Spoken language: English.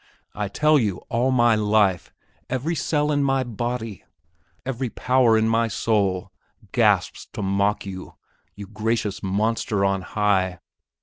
I tell you, all my life, every cell in my body, every power of my soul, gasps to mock you you Gracious Monster on High.